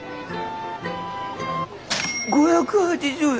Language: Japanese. ５８０円！？